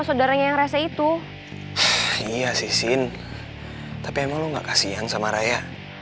saudaranya yang rese itu iya sih sin tapi emang lu nggak kasihan sama raya